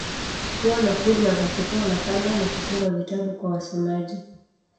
Huwa na huduma za kutoa nakala, na kufunga vitabu kwa wasomaji.